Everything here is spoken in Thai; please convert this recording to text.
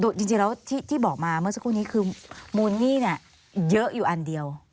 จริงแล้วที่บอกมาเมื่อสักครู่นี้คือมูลหนี้เนี่ยเยอะอยู่อันเดียว